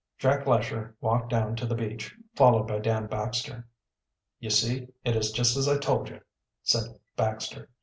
Jack Lesher walked down to the beach, followed by Dan Baxter. "You see, it is just as I told you," said Baxter.